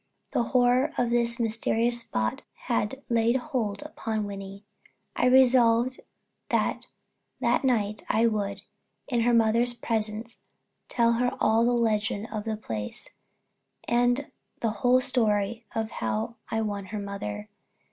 The horror of this mysterious spot had laid hold upon Wynnie. I resolved that that night I would, in her mother's presence, tell her all the legend of the place, and the whole story of how I won her mother.